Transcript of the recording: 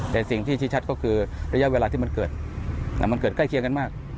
แต่สิ่งที่ชี้ชัดก็คือระยะเวลาที่มันเกิดมันเกิดใกล้เคียงกันมาก